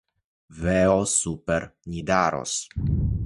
Veo super Nidaros!